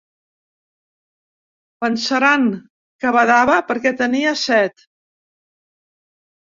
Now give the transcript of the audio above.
Pensaran que badava perquè tenia set.